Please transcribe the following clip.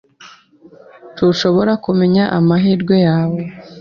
Ntushobora kumenya amahirwe yawe.